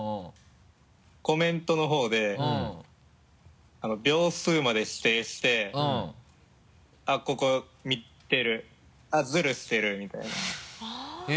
コメントの方で秒数まで指定して「あっここ見てるズルしてる」みたいな。